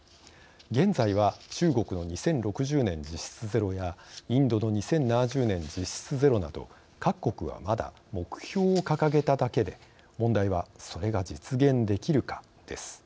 現在は、中国の２０６０年実質ゼロやインドの２０７０年実質ゼロなど各国は、まだ目標を掲げただけで問題はそれが実現できるかです。